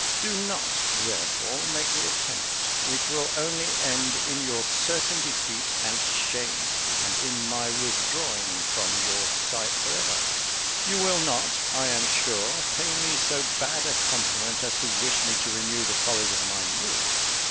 Do not, therefore, make the attempt; it will only end in your certain defeat and shame, and in my withdrawing from your sight for ever. You will not, I am sure, pay me so bad a compliment as to wish me to renew the follies of my youth.